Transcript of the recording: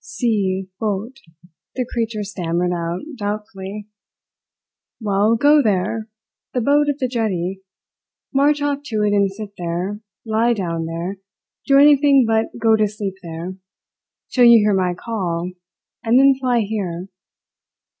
"Si boat," the creature stammered out doubtfully. "Well, go there the boat at the jetty. March off to it and sit there, lie down there, do anything but go to sleep there till you hear my call, and then fly here.